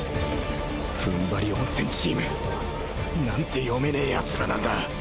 ふんばり温泉チームなんて読めねえヤツらなんだ